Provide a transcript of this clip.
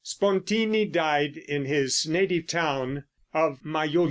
Spontini died in his native town of Majolitat.